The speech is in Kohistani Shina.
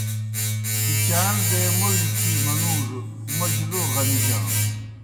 بِچَاݨ دے موڙیْ تھی منُوڙوْ موجیْ لو غمِجانوْ۔